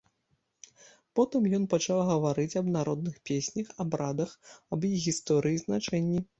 Потым ён пачаў гаварыць аб народных песнях, абрадах, аб іх гісторыі і значэнні.